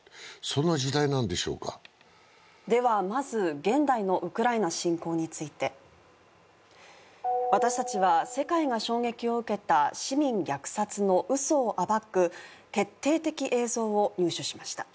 そんな時代なんでしょうかではまず現代のウクライナ侵攻について私たちは世界が衝撃を受けた市民虐殺の嘘を暴く決定的映像を入手しました